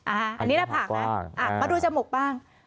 อันนี้แหละผักมาดูจมูกบ้าง